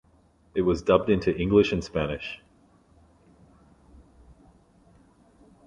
It was dubbed into English and Spanish.